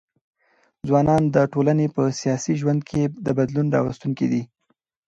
ځوانان د ټولني په سیاسي ژوند ګي د بدلون راوستونکي دي.